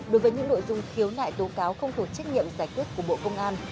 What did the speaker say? đối với những nội dung khiếu nại tố cáo không thuộc trách nhiệm giải quyết của bộ công an